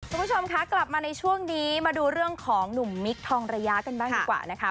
คุณผู้ชมคะกลับมาในช่วงนี้มาดูเรื่องของหนุ่มมิคทองระยะกันบ้างดีกว่านะคะ